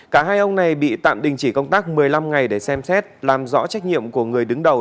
cả hai ông này bị tạm đình chỉ công tác một mươi năm ngày để xem xét làm rõ trách nhiệm của người đứng đầu